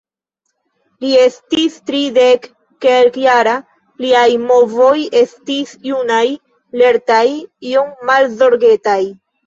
Li estis tridekkelkjara, liaj movoj estis junaj, lertaj, iom malzorgetaj.